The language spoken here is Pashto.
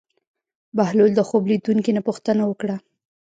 بهلول د خوب لیدونکي نه پوښتنه وکړه.